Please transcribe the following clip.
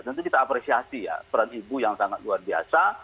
tentu kita apresiasi ya peran ibu yang sangat luar biasa